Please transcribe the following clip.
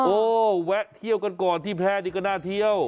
โอ้แวะเที่ยวกันก่อนที่แพร่นี่ก็น่าเที่ยว